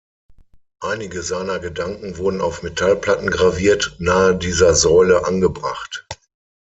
Einige seiner Gedanken wurden auf Metallplatten graviert nahe dieser Säule angebracht.